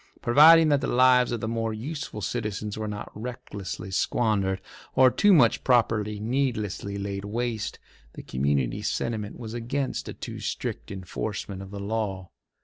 Providing that the lives of the more useful citizens were not recklessly squandered, or too much property needlessly laid waste, the community sentiment was against a too strict enforcement of the law.